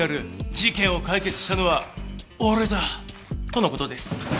事件を解決したのは俺だ！」。との事です。